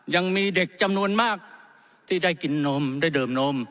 ยังมีเด็กจำนวนมากที่ได้กินนมได้ดื่มนม